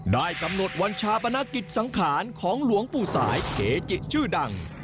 ได้กำหนดวันชาปนกิจสังขารของหลวงปู่สายเกจิชื่อดัง